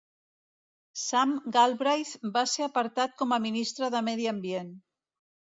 Sam Galbraith va ser apartat com a ministre de Medi Ambient.